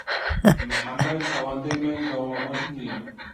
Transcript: محەممەد ئەوەندی من دەوڵەمەند نییە.